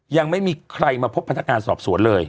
ยังไม่มีใครมาพบพนักงานสอบสวนเลย